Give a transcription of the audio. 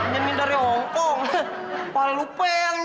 nyanyi dari hongkong